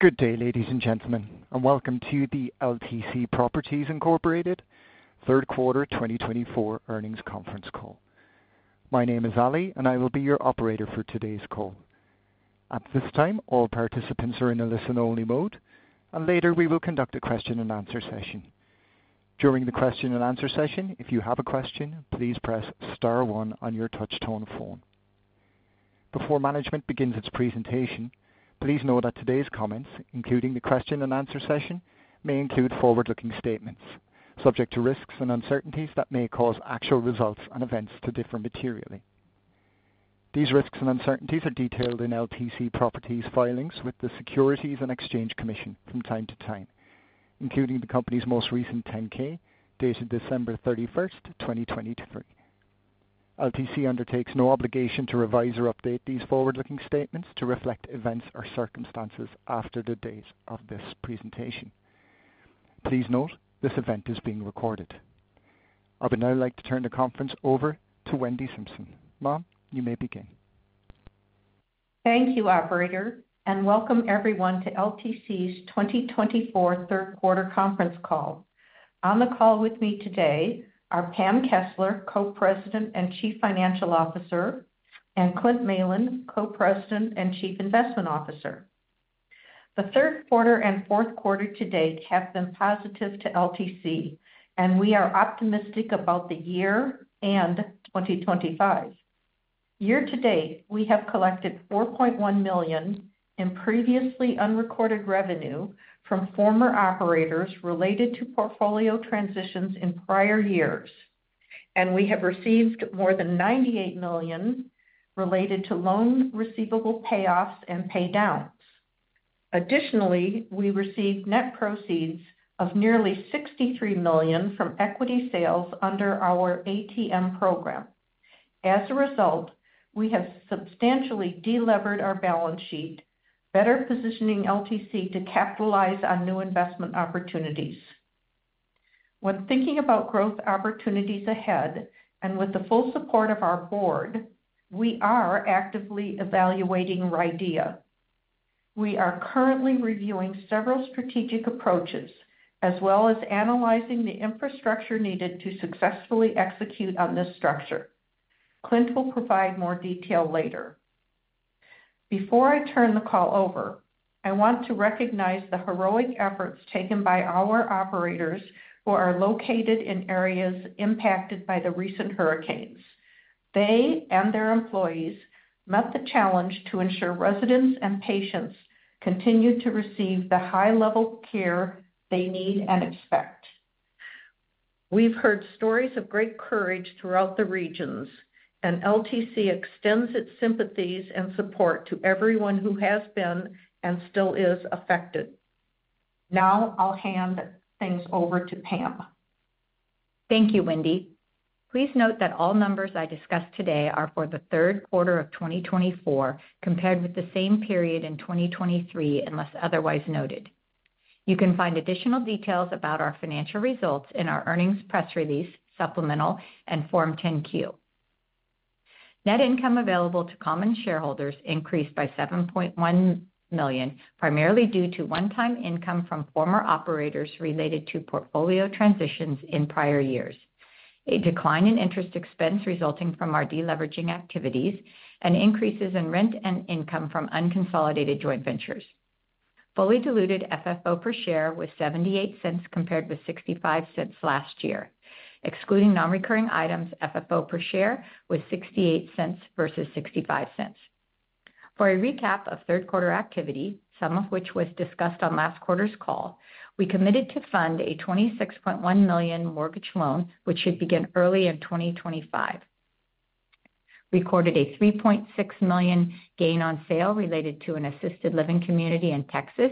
Good day, ladies and gentlemen, and welcome to the LTC Properties Incorporated third quarter 2024 earnings conference call. My name is Ali, and I will be your operator for today's call. At this time, all participants are in a listen-only mode, and later we will conduct a question-and-answer session. During the question-and-answer session, if you have a question, please press star one on your touch-tone phone. Before management begins its presentation, please know that today's comments, including the question-and-answer session, may include forward-looking statements subject to risks and uncertainties that may cause actual results and events to differ materially. These risks and uncertainties are detailed in LTC Properties filings with the Securities and Exchange Commission from time to time, including the company's most recent 10-K dated December 31st, 2023. LTC undertakes no obligation to revise or update these forward-looking statements to reflect events or circumstances after the date of this presentation. Please note this event is being recorded. I would now like to turn the conference over to Wendy Simpson. Ma'am, you may begin. Thank you, operator, and welcome everyone to LTC's 2024 third quarter conference call. On the call with me today are Pam Kessler, Co-President and Chief Financial Officer, and Clint Malin, Co-President and Chief Investment Officer. The third quarter and fourth quarter to date have been positive to LTC, and we are optimistic about the year and 2025. Year to date, we have collected $4.1 million in previously unrecorded revenue from former operators related to portfolio transitions in prior years, and we have received more than $98 million related to loan receivable payoffs and paydowns. Additionally, we received net proceeds of nearly $63 million from equity sales under our ATM program. As a result, we have substantially delevered our balance sheet, better positioning LTC to capitalize on new investment opportunities. When thinking about growth opportunities ahead, and with the full support of our board, we are actively evaluating RIDEA. We are currently reviewing several strategic approaches as well as analyzing the infrastructure needed to successfully execute on this structure. Clint will provide more detail later. Before I turn the call over, I want to recognize the heroic efforts taken by our operators who are located in areas impacted by the recent hurricanes. They and their employees met the challenge to ensure residents and patients continue to receive the high-level care they need and expect. We've heard stories of great courage throughout the regions, and LTC extends its sympathies and support to everyone who has been and still is affected. Now I'll hand things over to Pam. Thank you, Wendy. Please note that all numbers I discuss today are for the third quarter of 2024 compared with the same period in 2023 unless otherwise noted. You can find additional details about our financial results in our earnings press release, supplemental, and Form 10-Q. Net income available to common shareholders increased by $7.1 million, primarily due to one-time income from former operators related to portfolio transitions in prior years, a decline in interest expense resulting from our deleveraging activities, and increases in rent and income from unconsolidated joint ventures. Fully diluted FFO per share was $0.78 compared with $0.65 last year. Excluding non-recurring items, FFO per share was $0.68 versus $0.65. For a recap of third quarter activity, some of which was discussed on last quarter's call, we committed to fund a $26.1 million mortgage loan, which should begin early in 2025. Recorded a $3.6 million gain on sale related to an assisted living community in Texas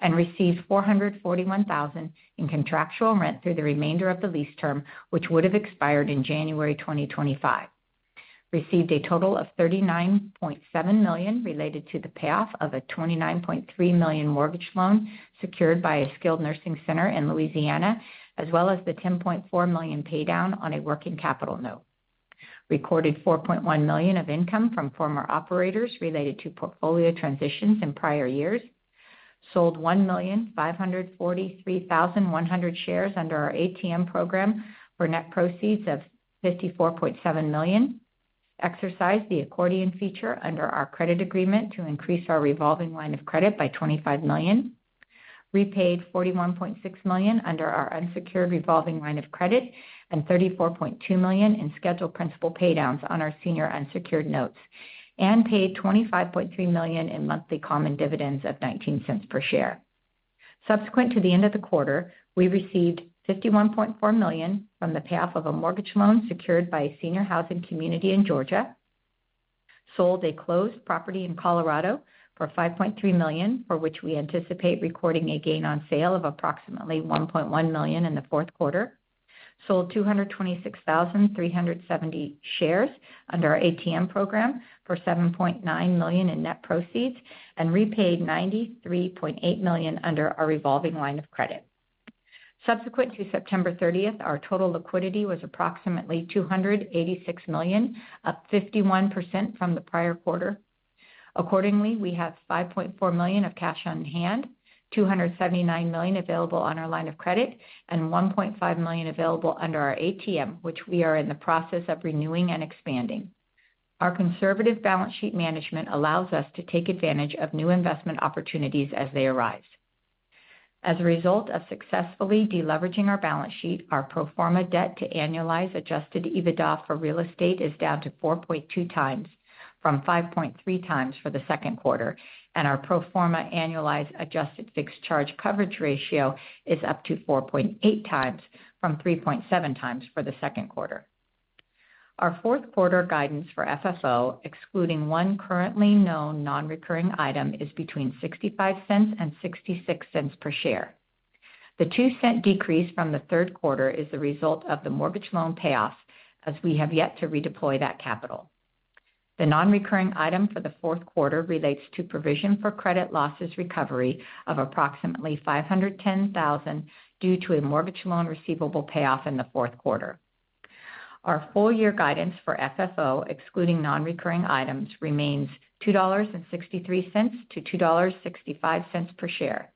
and received $441,000 in contractual rent through the remainder of the lease term, which would have expired in January 2025. Received a total of $39.7 million related to the payoff of a $29.3 million mortgage loan secured by a skilled nursing center in Louisiana, as well as the $10.4 million paydown on a working capital note. Recorded $4.1 million of income from former operators related to portfolio transitions in prior years. Sold 1,543,100 shares under our ATM program for net proceeds of $54.7 million. Exercised the accordion feature under our credit agreement to increase our revolving line of credit by $25 million. Repaid $41.6 million under our unsecured revolving line of credit and $34.2 million in scheduled principal paydowns on our senior unsecured notes, and paid $25.3 million in monthly common dividends of $0.19 per share. Subsequent to the end of the quarter, we received $51.4 million from the payoff of a mortgage loan secured by a senior housing community in Georgia. Sold a closed property in Colorado for $5.3 million, for which we anticipate recording a gain on sale of approximately $1.1 million in the fourth quarter. Sold 226,370 shares under our ATM program for $7.9 million in net proceeds and repaid $93.8 million under our revolving line of credit. Subsequent to September 30th, our total liquidity was approximately $286 million, up 51% from the prior quarter. Accordingly, we have $5.4 million of cash on hand, $279 million available on our line of credit, and $1.5 million available under our ATM, which we are in the process of renewing and expanding. Our conservative balance sheet management allows us to take advantage of new investment opportunities as they arise. As a result of successfully deleveraging our balance sheet, our pro forma debt to annualized adjusted EBITDA for real estate is down to 4.2 times from 5.3 times for the second quarter, and our pro forma annualized adjusted fixed charge coverage ratio is up to 4.8 times from 3.7 times for the second quarter. Our fourth quarter guidance for FFO, excluding one currently known non-recurring item, is between $0.65 and $0.66 per share. The $0.02 decrease from the third quarter is the result of the mortgage loan payoffs, as we have yet to redeploy that capital. The non-recurring item for the fourth quarter relates to provision for credit losses recovery of approximately $510,000 due to a mortgage loan receivable payoff in the fourth quarter. Our full year guidance for FFO, excluding non-recurring items, remains $2.63-$2.65 per share.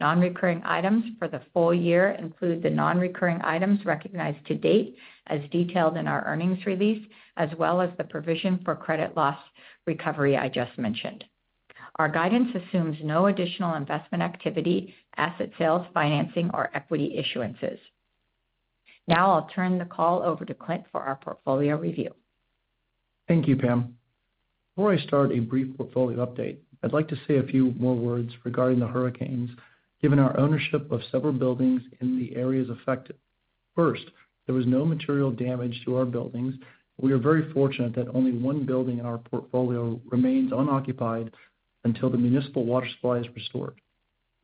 Non-recurring items for the full year include the non-recurring items recognized to date, as detailed in our earnings release, as well as the provision for credit loss recovery I just mentioned. Our guidance assumes no additional investment activity, asset sales, financing, or equity issuances. Now I'll turn the call over to Clint for our portfolio review. Thank you, Pam. Before I start a brief portfolio update, I'd like to say a few more words regarding the hurricanes, given our ownership of several buildings in the areas affected. First, there was no material damage to our buildings. We are very fortunate that only one building in our portfolio remains unoccupied until the municipal water supply is restored.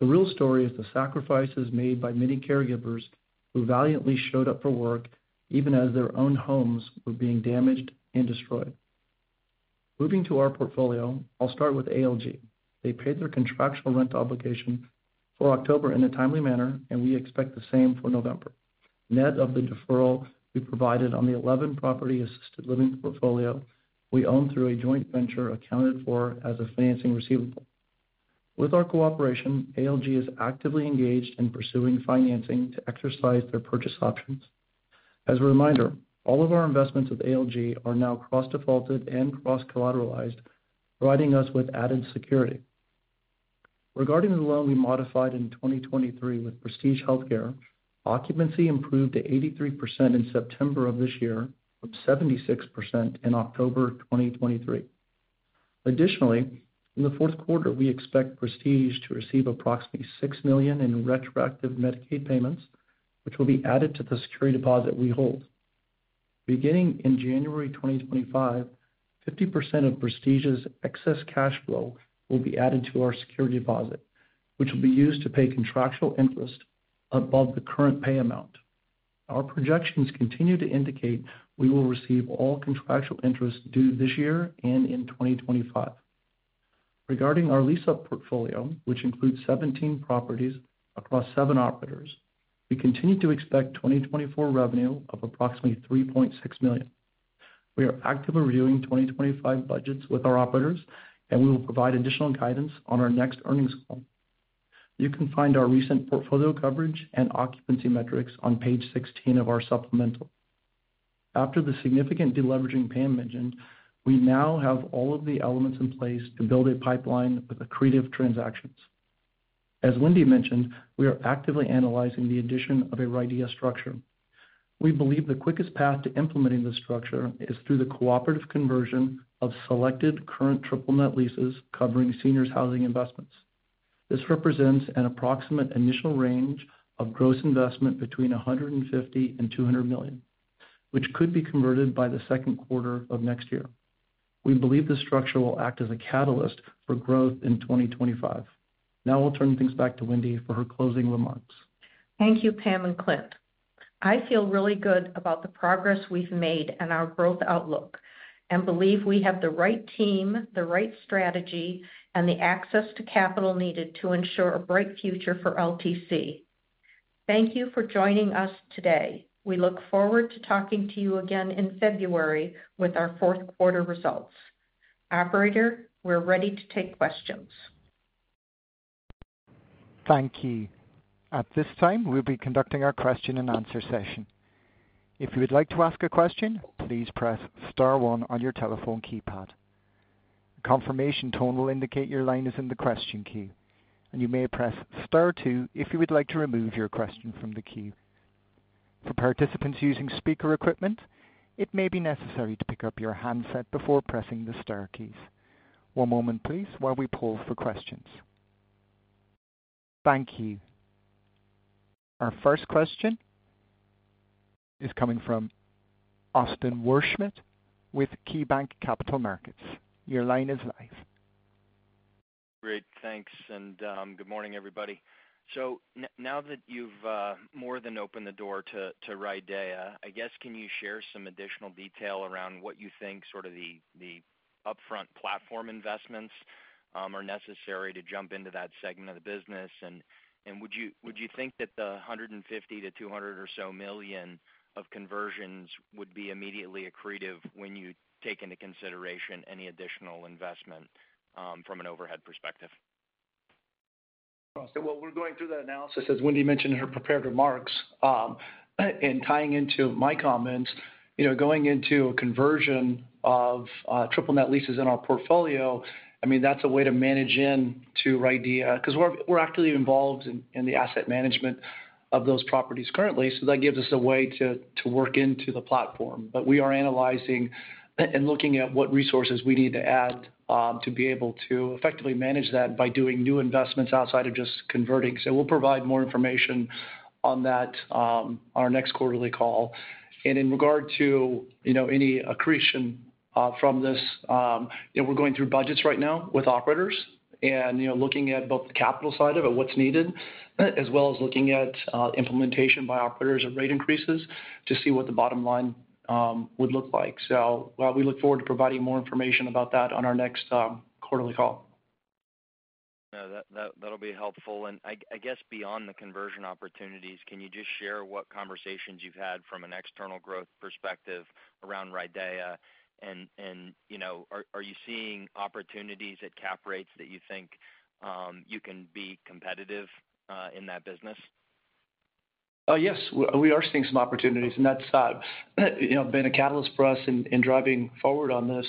The real story is the sacrifices made by many caregivers who valiantly showed up for work, even as their own homes were being damaged and destroyed. Moving to our portfolio, I'll start with ALG. They paid their contractual rent obligation for October in a timely manner, and we expect the same for November. Net of the deferral we provided on the 11-property assisted living portfolio we own through a joint venture accounted for as a financing receivable. With our cooperation, ALG is actively engaged in pursuing financing to exercise their purchase options. As a reminder, all of our investments with ALG are now cross-defaulted and cross-collateralized, providing us with added security. Regarding the loan we modified in 2023 with Prestige Healthcare, occupancy improved to 83% in September of this year from 76% in October 2023. Additionally, in the fourth quarter, we expect Prestige to receive approximately $6 million in retroactive Medicaid payments, which will be added to the security deposit we hold. Beginning in January 2025, 50% of Prestige's excess cash flow will be added to our security deposit, which will be used to pay contractual interest above the current pay amount. Our projections continue to indicate we will receive all contractual interest due this year and in 2025. Regarding our lease-up portfolio, which includes 17 properties across seven operators, we continue to expect 2024 revenue of approximately $3.6 million. We are actively reviewing 2025 budgets with our operators, and we will provide additional guidance on our next earnings call. You can find our recent portfolio coverage and occupancy metrics on page 16 of our supplemental. After the significant deleveraging Pam mentioned, we now have all of the elements in place to build a pipeline with accretive transactions. As Wendy mentioned, we are actively analyzing the addition of a RIDEA structure. We believe the quickest path to implementing this structure is through the cooperative conversion of selected current triple-net leases covering seniors housing investments. This represents an approximate initial range of gross investment between $150 million and $200 million, which could be converted by the second quarter of next year. We believe this structure will act as a catalyst for growth in 2025. Now I'll turn things back to Wendy for her closing remarks. Thank you, Pam and Clint. I feel really good about the progress we've made and our growth outlook, and believe we have the right team, the right strategy, and the access to capital needed to ensure a bright future for LTC. Thank you for joining us today. We look forward to talking to you again in February with our fourth quarter results. Operator, we're ready to take questions. Thank you. At this time, we'll be conducting our question and answer session. If you would like to ask a question, please press Star 1 on your telephone keypad. A confirmation tone will indicate your line is in the question queue, and you may press Star 2 if you would like to remove your question from the queue. For participants using speaker equipment, it may be necessary to pick up your handset before pressing the Star keys. One moment, please, while we poll for questions. Thank you. Our first question is coming from Austin Wurschmidt with KeyBanc Capital Markets. Your line is live. Great. Thanks and good morning, everybody. So now that you've more than opened the door to RIDEA, I guess, can you share some additional detail around what you think sort of the upfront platform investments are necessary to jump into that segment of the business? And would you think that the $150-$200 million or so of conversions would be immediately accretive when you take into consideration any additional investment from an overhead perspective? So while we're going through the analysis, as Wendy mentioned in her prepared remarks and tying into my comments, going into a conversion of triple-net leases in our portfolio, I mean, that's a way to manage into RIDEA because we're actively involved in the asset management of those properties currently. So that gives us a way to work into the platform. But we are analyzing and looking at what resources we need to add to be able to effectively manage that by doing new investments outside of just converting. So we'll provide more information on that on our next quarterly call. And in regard to any accretion from this, we're going through budgets right now with operators and looking at both the capital side of it, what's needed, as well as looking at implementation by operators of rate increases to see what the bottom line would look like. So we look forward to providing more information about that on our next quarterly call. No, that'll be helpful. And I guess beyond the conversion opportunities, can you just share what conversations you've had from an external growth perspective around RIDEA? And are you seeing opportunities at cap rates that you think you can be competitive in that business? Yes, we are seeing some opportunities, and that's been a catalyst for us in driving forward on this.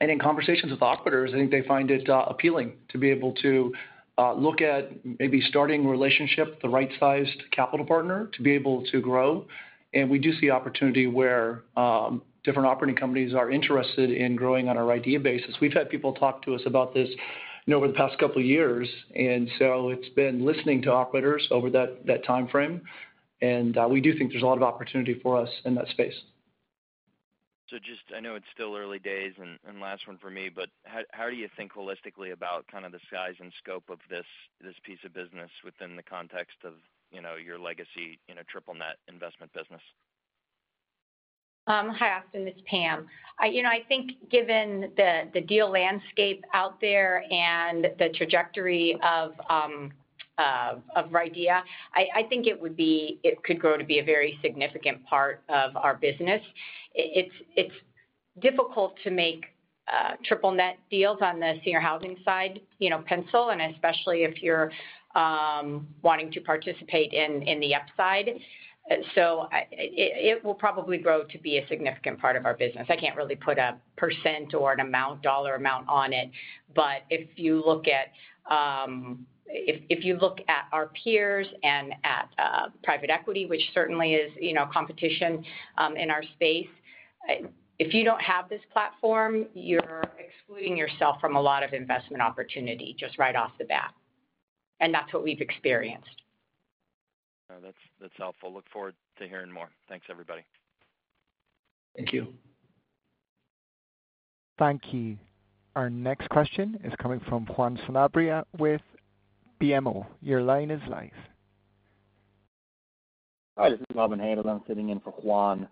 And in conversations with operators, I think they find it appealing to be able to look at maybe starting a relationship, the right-sized capital partner to be able to grow. And we do see opportunity where different operating companies are interested in growing on a RIDEA basis. We've had people talk to us about this over the past couple of years. And so it's been listening to operators over that timeframe. And we do think there's a lot of opportunity for us in that space. So, just, I know it's still early days and last one for me, but how do you think holistically about kind of the size and scope of this piece of business within the context of your legacy triple-net investment business? Hi, Austin. It's Pam. I think given the deal landscape out there and the trajectory of RIDEA, I think it could grow to be a very significant part of our business. It's difficult to make triple-net deals on the senior housing side pencil, and especially if you're wanting to participate in the upside. So it will probably grow to be a significant part of our business. I can't really put a % or an amount, dollar amount on it. But if you look at our peers and at private equity, which certainly is competition in our space, if you don't have this platform, you're excluding yourself from a lot of investment opportunity just right off the bat. And that's what we've experienced. No, that's helpful. Look forward to hearing more. Thanks, everybody. Thank you. Thank you. Our next question is coming from Juan Sanabria with BMO. Your line is live. Hi, this is Robin Han. I'm sitting in for Juan.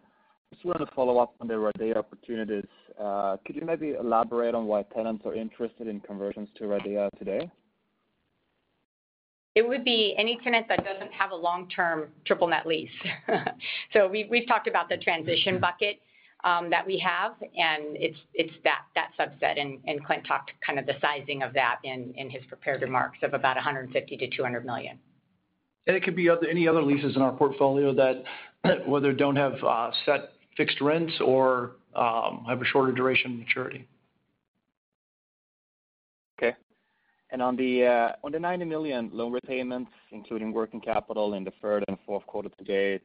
Just wanted to follow up on the RIDEA opportunities. Could you maybe elaborate on why tenants are interested in conversions to RIDEA today? It would be any tenant that doesn't have a long-term triple-net lease. So we've talked about the transition bucket that we have, and it's that subset, and Clint talked kind of the sizing of that in his prepared remarks of about $150 million-$200 million. And it could be any other leases in our portfolio that whether don't have set fixed rents or have a shorter duration of maturity. Okay. And on the $9 million loan repayments, including working capital in the third and fourth quarter to date,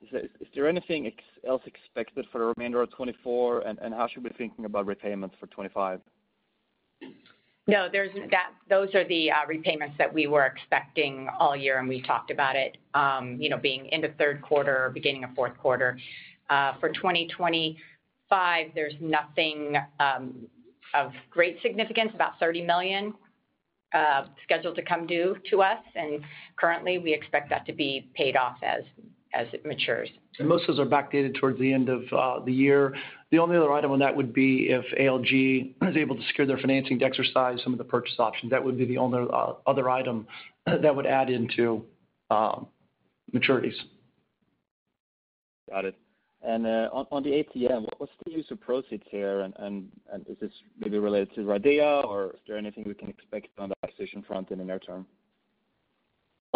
is there anything else expected for the remainder of 2024? And how should we be thinking about repayments for 2025? No, those are the repayments that we were expecting all year, and we talked about it being into third quarter, beginning of fourth quarter. For 2025, there's nothing of great significance, about $30 million scheduled to come due to us, and currently, we expect that to be paid off as it matures. Most of those are backdated towards the end of the year. The only other item on that would be if ALG is able to secure their financing to exercise some of the purchase options. That would be the only other item that would add into maturities. Got it. And on the ATM, what's the use of proceeds here? And is this maybe related to RIDEA, or is there anything we can expect on the acquisition front in the near term?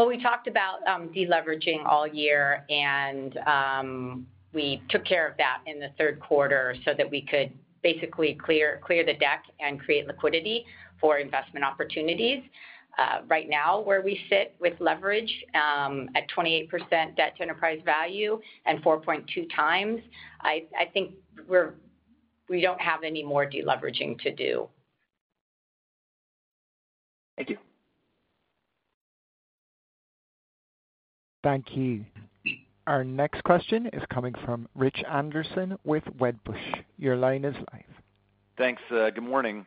We talked about deleveraging all year, and we took care of that in the third quarter so that we could basically clear the deck and create liquidity for investment opportunities. Right now, where we sit with leverage at 28% debt to enterprise value and 4.2 times, I think we don't have any more deleveraging to do. Thank you. Thank you. Our next question is coming from Rich Anderson with Wedbush. Your line is live. Thanks. Good morning.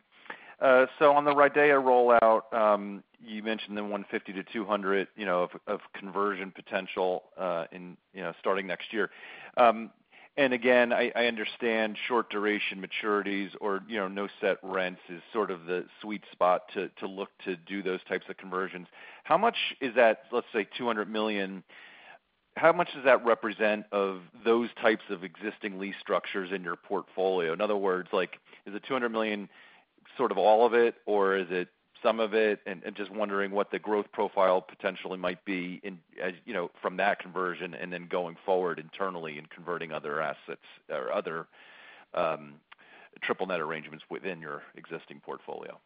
On the RIDEA rollout, you mentioned the $150-$200 million of conversion potential starting next year. Again, I understand short-duration maturities or no-set rents is sort of the sweet spot to look to do those types of conversions. How much is that, let's say, $200 million? How much does that represent of those types of existing lease structures in your portfolio? In other words, is the $200 million sort of all of it, or is it some of it? Just wondering what the growth profile potentially might be from that conversion and then going forward internally and converting other assets or other triple-net arrangements within your existing portfolio.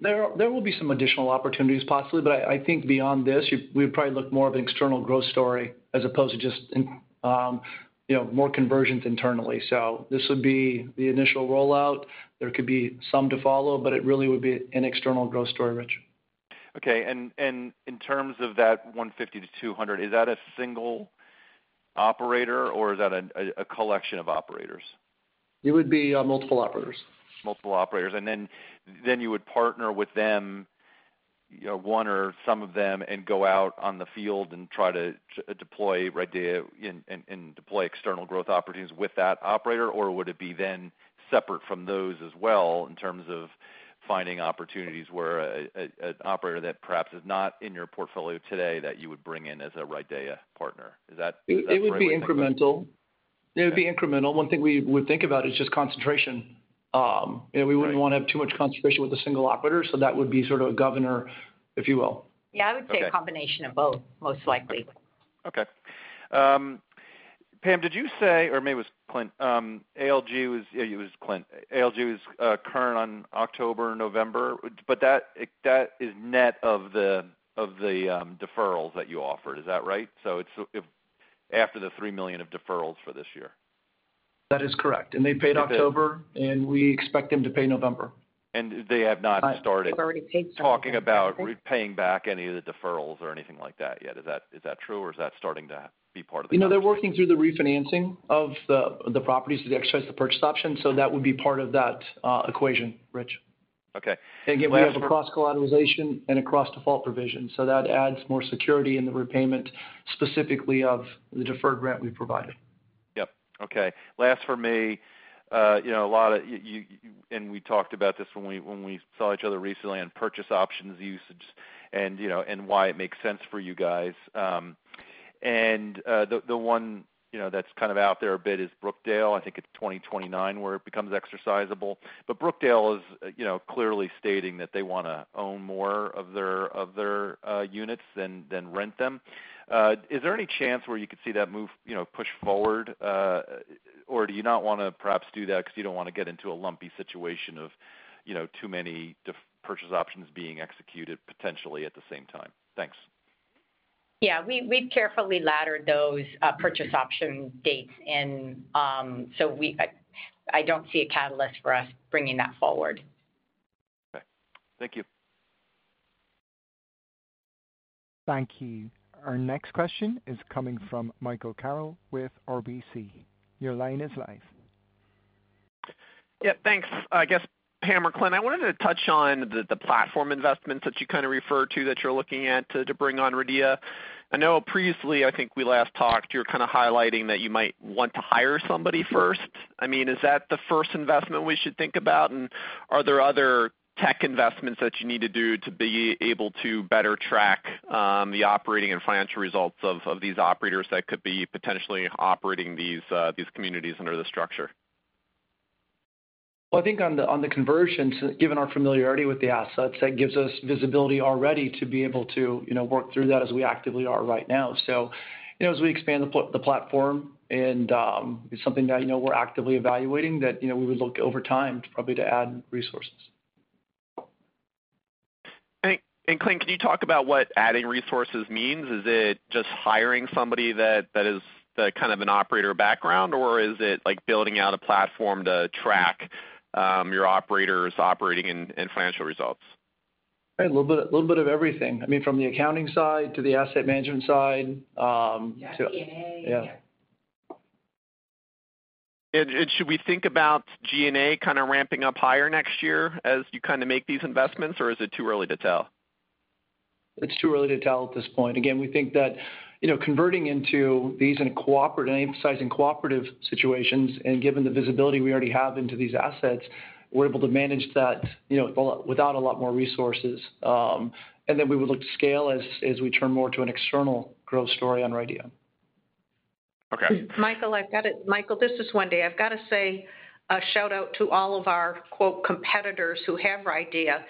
There will be some additional opportunities possibly, but I think beyond this, we would probably look more of an external growth story as opposed to just more conversions internally. So this would be the initial rollout. There could be some to follow, but it really would be an external growth story, Rich. Okay, and in terms of that 150-200, is that a single operator, or is that a collection of operators? It would be multiple operators. And then you would partner with them, one or some of them, and go out on the field and try to deploy RIDEA and deploy external growth opportunities with that operator? Or would it be then separate from those as well in terms of finding opportunities where an operator that perhaps is not in your portfolio today that you would bring in as a RIDEA partner? Is that a possibility? It would be incremental. It would be incremental. One thing we would think about is just concentration. We wouldn't want to have too much concentration with a single operator. So that would be sort of a governor, if you will. Yeah, I would say a combination of both, most likely. Okay. Pam, did you say, or maybe it was Clint. ALG was current on October and November, but that is net of the deferrals that you offered. Is that right? So it's after the $3 million of deferrals for this year. That is correct. And they paid October, and we expect them to pay November. They have not started. But they've already paid October. Talking about repaying back any of the deferrals or anything like that yet. Is that true, or is that starting to be part of the conversation? They're working through the refinancing of the properties to exercise the purchase option. So that would be part of that equation, Rich. Okay. And again, we have a cross-collateralization and a cross-default provision. So that adds more security in the repayment, specifically of the deferred rent we've provided. Yep. Okay. Last for me, a lot of, and we talked about this when we saw each other recently on purchase options usage and why it makes sense for you guys. And the one that's kind of out there a bit is Brookdale. I think it's 2029 where it becomes exercisable. But Brookdale is clearly stating that they want to own more of their units than rent them. Is there any chance where you could see that move push forward, or do you not want to perhaps do that because you don't want to get into a lumpy situation of too many purchase options being executed potentially at the same time? Thanks. Yeah. We've carefully laddered those purchase option dates. And so I don't see a catalyst for us bringing that forward. Okay. Thank you. Thank you. Our next question is coming from Michael Carroll with RBC. Your line is live. Yep. Thanks. I guess, Pam or Clint, I wanted to touch on the platform investments that you kind of referred to that you're looking at to bring on RIDEA. I know previously, I think we last talked, you were kind of highlighting that you might want to hire somebody first. I mean, is that the first investment we should think about? And are there other tech investments that you need to do to be able to better track the operating and financial results of these operators that could be potentially operating these communities under the structure? I think on the conversions, given our familiarity with the assets, that gives us visibility already to be able to work through that as we actively are right now. As we expand the platform, and it's something that we're actively evaluating, that we would look over time probably to add resources. Clint, can you talk about what adding resources means? Is it just hiring somebody that is kind of an operator background, or is it building out a platform to track your operators' operating and financial results? A little bit of everything. I mean, from the accounting side to the asset management side to. Yeah. G&A. Should we think about G&A kind of ramping up higher next year as you kind of make these investments, or is it too early to tell? It's too early to tell at this point. Again, we think that converting into these and emphasizing cooperative situations, and given the visibility we already have into these assets, we're able to manage that without a lot more resources, and then we would look to scale as we turn more to an external growth story on RIDEA. Okay. Michael, I've got to, Michael, this is Wendy. I've got to say a shout-out to all of our "competitors" who have RIDEA.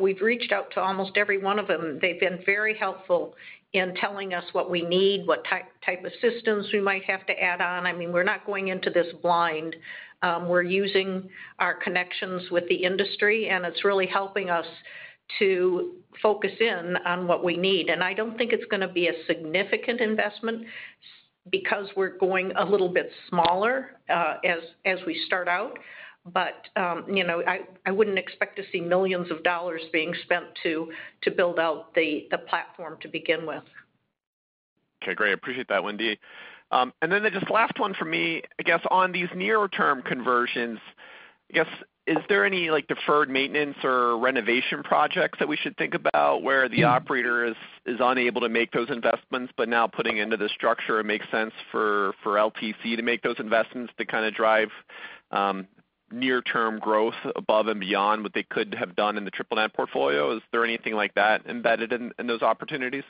We've reached out to almost every one of them. They've been very helpful in telling us what we need, what type of systems we might have to add on. I mean, we're not going into this blind. We're using our connections with the industry, and it's really helping us to focus in on what we need. And I don't think it's going to be a significant investment because we're going a little bit smaller as we start out. But I wouldn't expect to see millions of dollars being spent to build out the platform to begin with. Okay. Great. I appreciate that, Wendy. And then just last one for me. I guess on these near-term conversions, I guess, is there any deferred maintenance or renovation projects that we should think about where the operator is unable to make those investments, but now putting into the structure it makes sense for LTC to make those investments to kind of drive near-term growth above and beyond what they could have done in the triple-net portfolio? Is there anything like that embedded in those opportunities?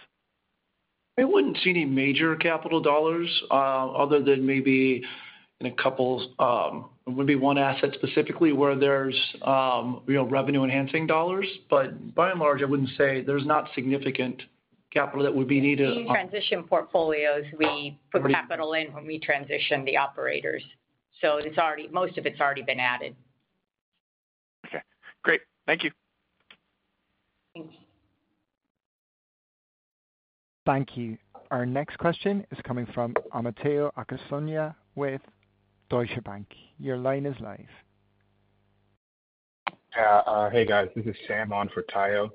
I wouldn't see any major capital dollars other than maybe in a couple, it would be one asset specifically where there's revenue-enhancing dollars. But by and large, I wouldn't say there's not significant capital that would be needed. Transition portfolios, we put capital in when we transition the operators. So most of it's already been added. Okay. Great. Thank you. Thanks. Thank you. Our next question is coming from Omotayo Okusanya with Deutsche Bank. Your line is live. Hey, guys. This is Sam on for Tayo.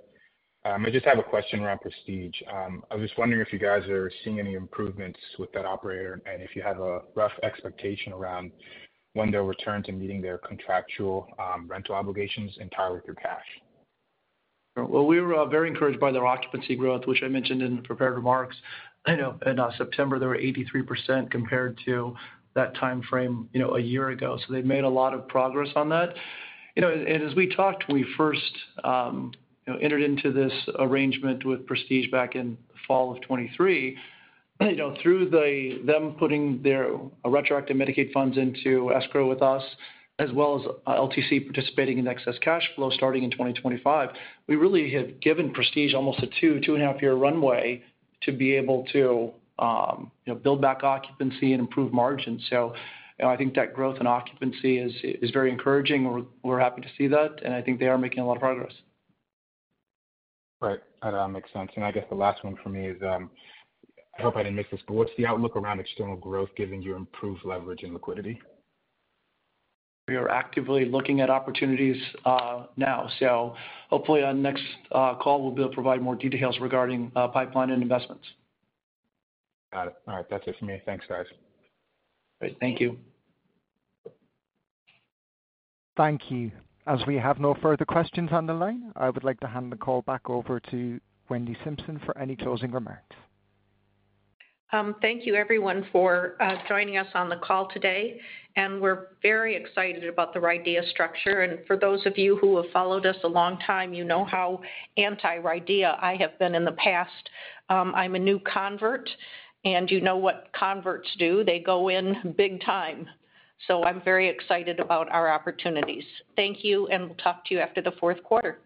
I just have a question around Prestige. I was just wondering if you guys are seeing any improvements with that operator and if you have a rough expectation around when they'll return to meeting their contractual rental obligations entirely through cash? Well, we were very encouraged by their occupancy growth, which I mentioned in the prepared remarks. In September, they were 83% compared to that timeframe a year ago. So they've made a lot of progress on that. And as we talked, when we first entered into this arrangement with Prestige back in the fall of 2023, through them putting their retroactive Medicaid funds into escrow with us, as well as LTC participating in excess cash flow starting in 2025, we really have given Prestige almost a two, two-and-a-half-year runway to be able to build back occupancy and improve margins. So I think that growth in occupancy is very encouraging. We're happy to see that. And I think they are making a lot of progress. Right. That makes sense. And I guess the last one for me is, I hope I didn't miss this, but what's the outlook around external growth giving you improved leverage and liquidity? We are actively looking at opportunities now. So hopefully, on the next call, we'll be able to provide more details regarding pipeline and investments. Got it. All right. That's it for me. Thanks, guys. Great. Thank you. Thank you. As we have no further questions on the line, I would like to hand the call back over to Wendy Simpson for any closing remarks. Thank you, everyone, for joining us on the call today, and we're very excited about the RIDEA structure, and for those of you who have followed us a long time, you know how anti-RIDEA I have been in the past. I'm a new convert, and you know what converts do. They go in big time, so I'm very excited about our opportunities. Thank you, and we'll talk to you after the fourth quarter.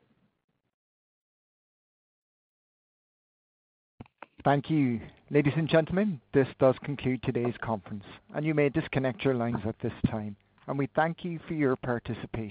Thank you. Ladies and gentlemen, this does conclude today's conference, and you may disconnect your lines at this time, and we thank you for your participation.